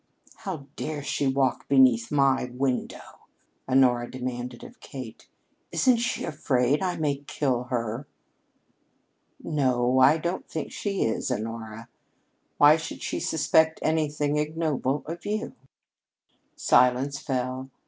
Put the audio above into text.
"How dare she walk beneath my window?" Honora demanded of Kate. "Isn't she afraid I may kill her?" "No, I don't think she is, Honora. Why should she suspect anything ignoble of you?" Silence fell.